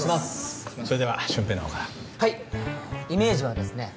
それでは俊平のほうからはいっイメージはですね